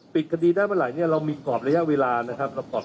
ปิดคดีได้เมื่อไหร่เนี่ยเรามีกรอบระยะเวลานะครับ